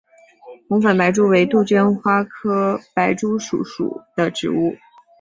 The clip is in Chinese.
红粉白珠为杜鹃花科白珠树属的植物。